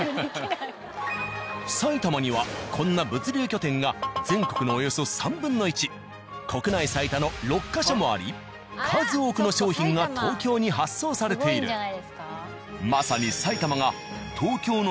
埼玉にはこんな物流拠点が全国のおよそ３分の１国内最多の６ヵ所もあり数多くの商品が東京に発送されている。